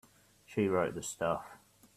She wrote the stuff.